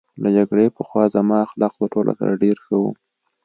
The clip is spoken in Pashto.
له جګړې پخوا زما اخلاق له ټولو سره ډېر ښه وو